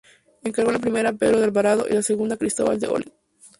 Encargó la primera a Pedro de Alvarado y la segunda a Cristóbal de Olid.